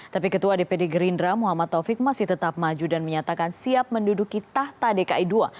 tapi ketua dpd gerindra muhammad taufik masih tetap maju dan menyatakan siap menduduki tahta dki ii